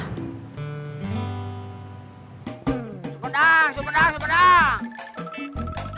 supendang supendang supendang